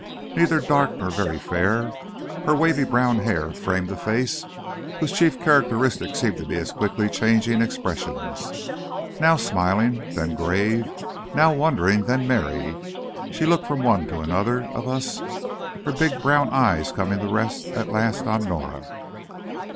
Neither dark nor very fair, her wavy brown hair framed a face whose chief characteristic seemed to be its quickly changing expressions. Now smiling, then grave, now wondering, then merry, she looked from one to another of us, her big brown eyes coming to rest at last on Norah.